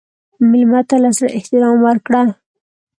مېلمه ته له زړه احترام ورکړه.